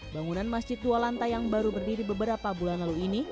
bangunan masjid dua lantai yang baru berdiri beberapa bulan lalu ini